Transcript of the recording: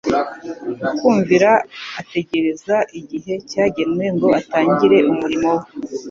mu kumvira ategereza igihe cyagenwe ngo atangire umurimo We